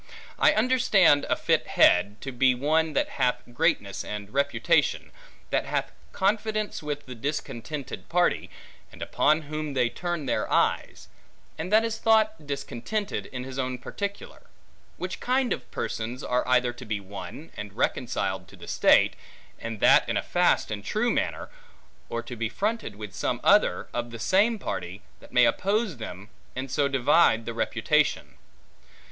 I understand a fit head, to be one that hath greatness and reputation; that hath confidence with the discontented party, and upon whom they turn their eyes; and that is thought discontented, in his own particular: which kind of persons, are either to be won, and reconciled to the state, and that in a fast and true manner; or to be fronted with some other, of the same party, that may oppose them, and so divide the reputation.